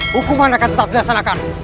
hukuman akan tetap dilaksanakan